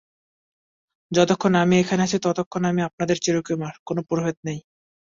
যতক্ষণ আমি এখানে আছি ততক্ষণ আমি আপনাদের চিরকুমার– কোনো প্রভেদ নেই।